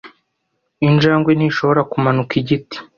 Injangwe ntishobora kumanuka igiti .